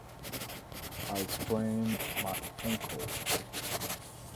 I sprained my ankle.